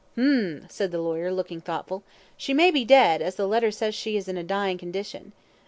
"Hum," said the lawyer, looking thoughtful, "she may be dead, as the letter says she is in a dying condition.